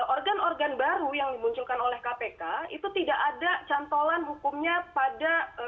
organ organ baru yang dimunculkan oleh kpk itu tidak ada cantolan hukumnya pada